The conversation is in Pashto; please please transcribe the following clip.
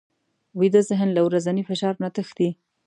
ویده ذهن له ورځني فشار نه تښتي